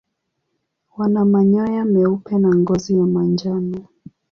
Wana manyoya meupe na ngozi ya manjano.